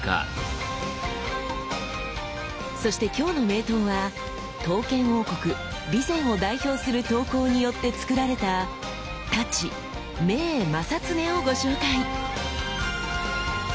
そして「きょうの名刀」は刀剣王国備前を代表する刀工によって作られた「太刀銘正恒」をご紹介。